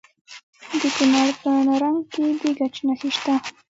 د کونړ په نرنګ کې د ګچ نښې شته.